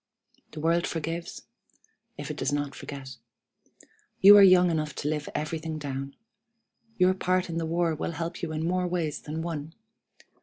The world forgives, if it does not forget. You are young enough to live everything down. Your part in the war will help you in more ways than one.